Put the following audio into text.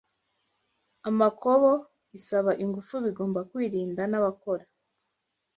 amakobo isaba ingufu bigomba kwirindwa n’abakora